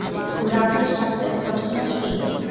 গাভীর সাথে ফষ্টিনষ্টি।